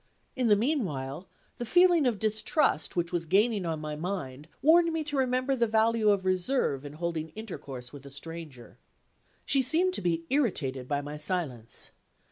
In the meanwhile, the feeling of distrust which was gaining on my mind warned me to remember the value of reserve in holding intercourse with a stranger. She seemed to be irritated by my silence.